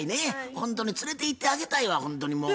ほんとに連れていってあげたいわほんとにもう。